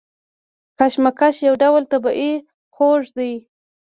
کشمش یو ډول طبیعي خوږ دی.